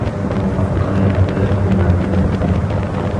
وَقَدْ قَالَ الْعَبَّاسُ بْنُ عَبْدِ الْمُطَّلِبِ